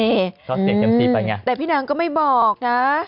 เขาเสียดยำซีไปไงแต่พี่นางก็ไม่บอกนะ